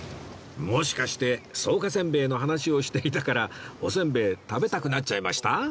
もしかして草加せんべいの話をしていたからお煎餅食べたくなっちゃいました？